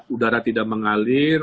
udara tidak mengalir